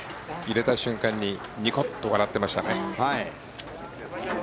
入れた瞬間にニコッと笑ってましたね。